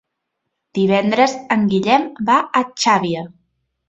Divendres en Guillem va a Xàbia.